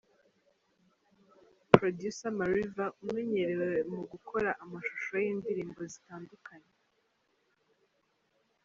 Producer Mariva umenyerewe mu gukora amashusho y'indirimbo zitandukanye.